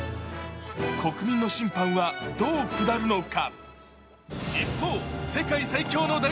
国民の審判はどう下るのか。